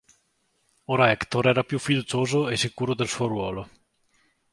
Ora, Hector era più fiducioso e sicuro del suo ruolo.